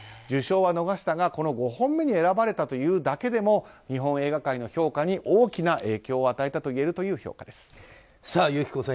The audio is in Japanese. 受賞は逃したがこの５本目に選ばれたというだけでも日本映画界の評価に大きな影響を与えたといえるという評価です。